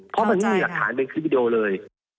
เพราะมันไม่มีหลักฐานเป็นคลิปวิดีโอเลย